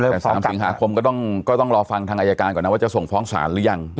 แต่๓สิงหาคมก็ต้องรอฟังทางอายการก่อนนะว่าจะส่งฟ้องศาลหรือยัง